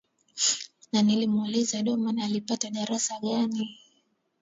na nilimuuliza damon alipata darasa gani